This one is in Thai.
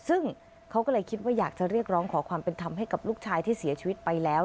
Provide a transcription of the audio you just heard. ซึ่งเขาก็เลยคิดว่าอยากจะเรียกร้องขอความเป็นธรรมให้กับลูกชายที่เสียชีวิตไปแล้ว